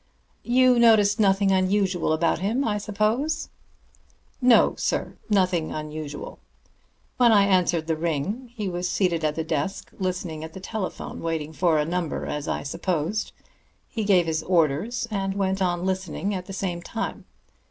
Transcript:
"You noticed nothing unusual about him, I suppose." "No, sir, nothing unusual. When I answered the ring, he was seated at the desk listening at the telephone, waiting for a number, as I supposed. He gave his orders and went on listening at the same time.